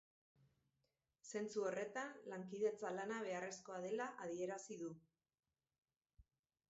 Zentzu horretan, lankidetza lana beharrezkoa dela adierazi du.